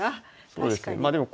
確かに。